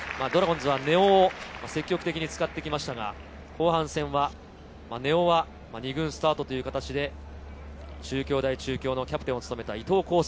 ドラゴンズは根尾を積極的に使ってきましたが後半戦は根尾は２軍スタートとなり、中京大中京のキャプテンを務めた伊藤康祐。